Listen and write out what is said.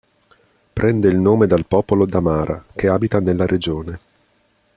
Prende il nome dal popolo Damara, che abita nella regione.